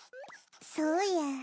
そうや。